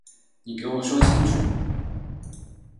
你给我说清楚